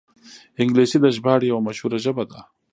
انګلیسي د ژباړې یوه مشهوره ژبه ده